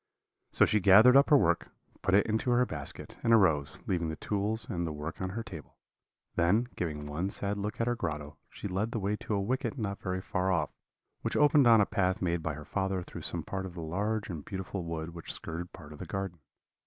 So she gathered up her work, put it into her basket, and arose, leaving the tools and the work on her table; then, giving one sad look at her grotto, she led the way to a wicket not very far off, which opened on a path made by her father through some part of the large and beautiful wood which skirted part of the garden.